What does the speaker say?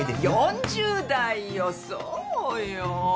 ４０代よそうよ。